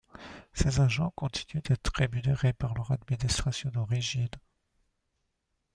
Ces agents continuent d'être rémunérés par leur administration d'origine.